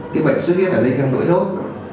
cái bệnh sốt huyết là lây theo mỗi đốt